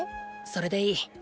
それでいい。